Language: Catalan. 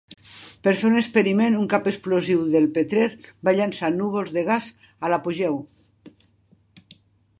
Per fer un experiment, un cap explosiu del Petrel va llançar núvols de gas a l'apogeu.